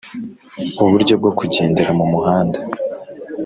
uburyo bwo kugendera mu muhanda